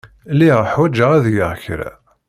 Lliɣ ḥwajeɣ ad geɣ kra.